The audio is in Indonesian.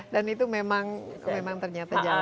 dan itu memang ternyata jalan ya